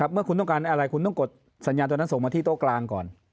เมื่อคุณต้องการอะไรคุณต้องกดสัญญาตัวนั้นส่งมาที่โต๊ะกลางก่อน